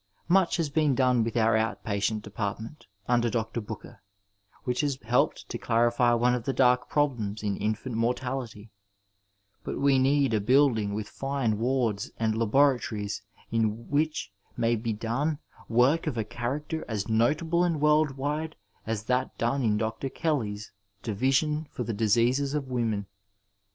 Much has been done with our out patient department under Dr. Booker, who has helped to clarify one of the dark problems in infant mortality, but we need a building with fine wards and laboratories in which may be done work of a character as notable and worldwide as that done in Dr. Kelly's divi sion for the diseases of women.